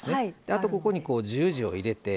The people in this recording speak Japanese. あとここに十字を入れて。